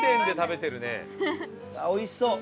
おいしそう！